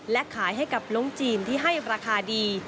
และขายให้กับลงจีนที่ให้ราคาดี